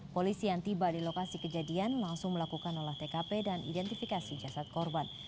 polisi yang tiba di lokasi kejadian langsung melakukan olah tkp dan identifikasi jasad korban